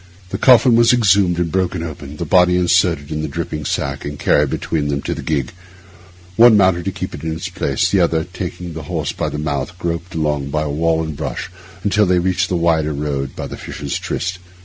The coffin was exhumed and broken open; the body inserted in the dripping sack and carried between them to the gig; one mounted to keep it in its place, and the other, taking the horse by the mouth, groped along by wall and bush until they reached the wider road by the Fisher's Tryst.